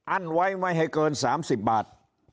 อั้นไว้ไม่ให้เกินสามสิบบาท